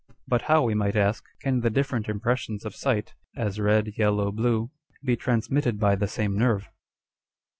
But how, we might ask, can the different impressions of sight â€" as red, yellow, blue â€" be transmitted by the same nerve